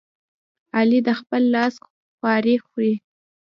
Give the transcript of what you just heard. علي د خپل لاس خواري خوري.